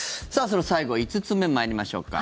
最後、５つ目参りましょうか。